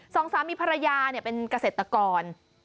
ซองซ้ามีภรรยาเนี่ยเป็นเกษตรกร